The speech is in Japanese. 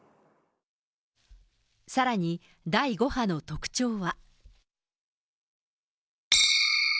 さらに、第５波の特徴は。